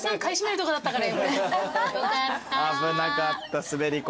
危なかった滑り込みで。